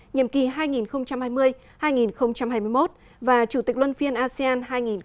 nhiệm kỳ hai nghìn hai mươi hai nghìn hai mươi một và chủ tịch luân phiên asean hai nghìn hai mươi